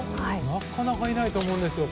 なかなかいないと思うんですよ。